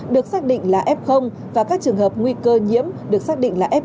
được xác định là f và các trường hợp nguy cơ nhiễm được xác định là f một